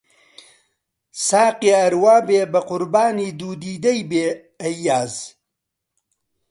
ساقی ئەر وا بێ بە قوربانی دوو دیدەی بێ، ئەیاز